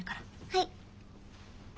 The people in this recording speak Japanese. はい。